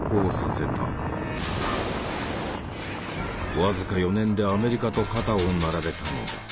僅か４年でアメリカと肩を並べたのだ。